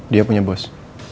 dia punya bos